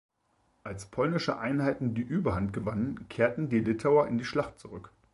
Als polnische Einheiten die Überhand gewannen, kehrten die Litauer in die Schlacht zurück.